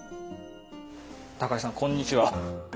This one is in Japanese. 高井さんこんにちは。